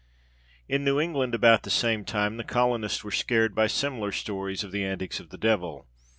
In New England, about the same time, the colonists were scared by similar stories of the antics of the devil.